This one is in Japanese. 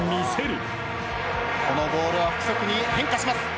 このボールは不規則に変化します。